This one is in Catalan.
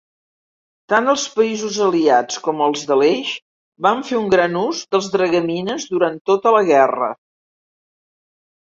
Tant els països aliats com els de l'Eix van fer un gran ús dels dragamines durant tota la guerra.